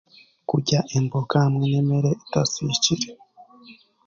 Kurya embooga hamwe n'emeere etasikiire.